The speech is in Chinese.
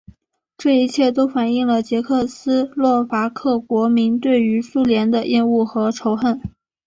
这一切都反映了捷克斯洛伐克国民对于苏联的厌恶和仇恨。